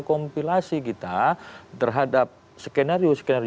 kompilasi kita terhadap skenario skenario